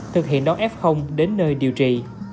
thực hiện đón f đến nơi điều trị